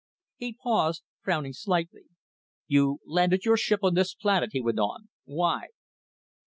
He paused, frowning slightly. "You landed your ship on this planet," he went on. "Why?"